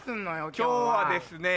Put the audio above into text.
今日はですね。